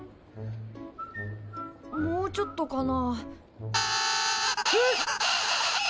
もうちょっとかな？え？